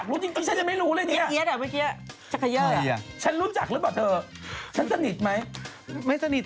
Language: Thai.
ใครอ่ะจริงฉันอยากรู้จริงแต่ฉันยังไม่รู้เลยเนี่ย